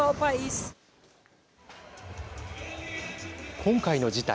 今回の事態。